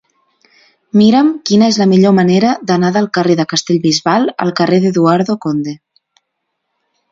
Mira'm quina és la millor manera d'anar del carrer de Castellbisbal al carrer d'Eduardo Conde.